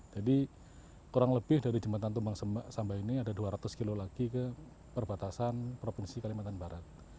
jadi kurang lebih dari jembatan tumbang samba ini ada dua ratus kilo lagi ke perbatasan provinsi kalimantan barat